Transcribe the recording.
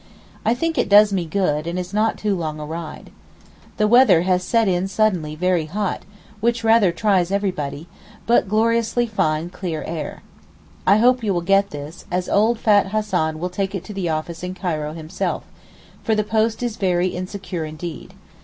I think it does me good and is not too long a ride. The weather has set in suddenly very hot, which rather tries everybody, but gloriously fine clear air. I hope you will get this, as old fat Hassan will take it to the office in Cairo himself—for the post is very insecure indeed.